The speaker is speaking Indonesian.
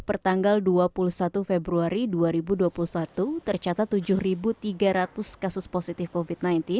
pertanggal dua puluh satu februari dua ribu dua puluh satu tercatat tujuh tiga ratus kasus positif covid sembilan belas